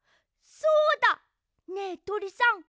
そうだ！ねえとりさん。